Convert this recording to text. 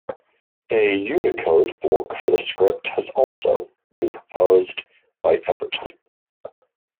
A Unicode block for the script has also been proposed by Evertype.